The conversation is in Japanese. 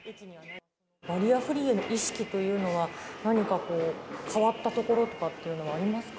バリアフリーへの意識というのは、何かこう、変わったところとかっていうのはありますか？